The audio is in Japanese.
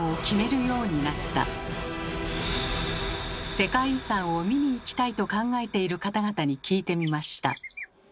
世界遺産を見に行きたいと考えている方々に聞いてみました。